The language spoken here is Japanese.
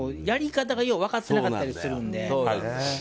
やり方がよく分かってなかったりするので。